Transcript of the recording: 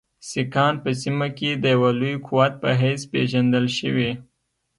سیکهان په سیمه کې د یوه لوی قوت په حیث پېژندل شوي.